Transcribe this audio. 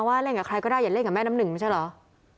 ว่าเล่นกับใครก็ได้อย่าเล่นกับแม่น้ำหนึ่งไม่ใช่เหรอ